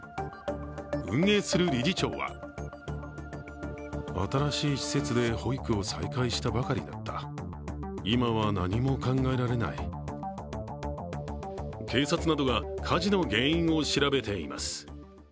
運営する理事長は警察などが火事の原因を調べています。